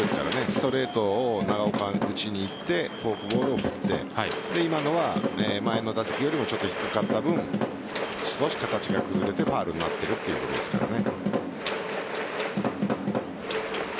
ストレートを長岡が打ちにいってフォークボールを振って今のは前の打席よりもちょっと低かった分少し形が崩れてファウルになっているということですからね。